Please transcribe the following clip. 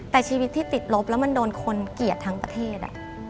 แต่ชีวิตที่ติดลบแล้วมันโดนคนเกลียดทั้งประเทศ